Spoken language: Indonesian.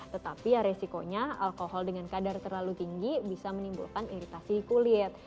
tetapi ya resikonya alkohol dengan kadar terlalu tinggi bisa menimbulkan iritasi kulit